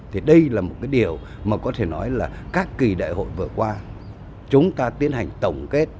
thì đây là một cái điều mà có thể nói là các kỳ đại hội vừa qua chúng ta tiến hành tổng kết